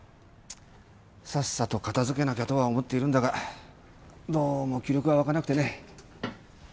さっさと片付けなきゃとは思っているんだがどうも気力が湧かなくてね。